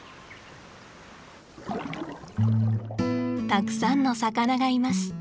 たくさんの魚がいます。